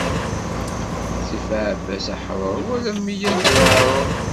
Ttif aɛebbas aḥṛuṛ, wala meyya di leɛṛuṛ.